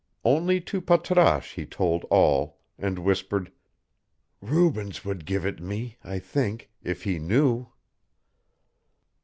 Only to Patrasche he told all, and whispered, "Rubens would give it me, I think, if he knew."